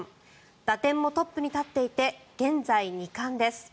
打点もトップに立っていて現在、２冠です。